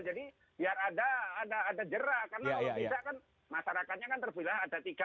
jadi biar ada ada ada jerak karena orang tidak kan masyarakatnya kan terbilang ada tiga